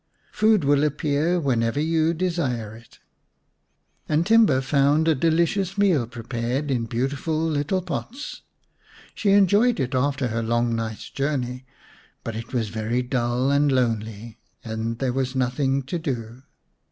Food will appear whenever you desire it." And Timba found a delicious meal prepared in beautiful little pots. She enjoyed it after her long night's journey, but it was very dull and lonely, and there was nothing to do.